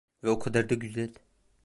Ve o kadar da güzel…